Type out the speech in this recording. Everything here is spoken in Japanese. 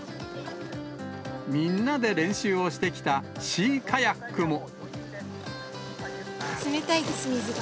みんなで練習をしてきたシー冷たいです、水が。